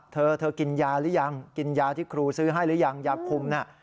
เธอเธอกินยาหรือยังกินยาที่ครูซื้อให้หรือยังยาคุมน่ะ